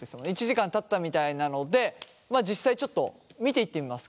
１時間たったみたいなので実際ちょっと見ていってみますか。